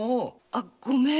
あごめん。